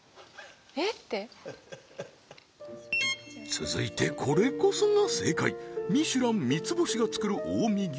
続いてこれこそが正解ミシュラン三つ星が作る近江牛